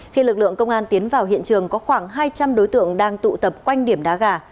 khi lực lượng công an tiến vào hiện trường có khoảng hai trăm linh đối tượng đang tụ tập quanh điểm đá gà